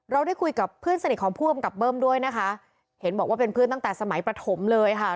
ได้คุยกับเพื่อนสนิทของผู้กำกับเบิ้มด้วยนะคะเห็นบอกว่าเป็นเพื่อนตั้งแต่สมัยประถมเลยค่ะ